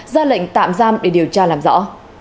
gia lệnh tạm giam để điều tra làm rõ